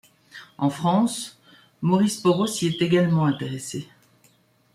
En France, Maurice Porot s'y est également intéressé.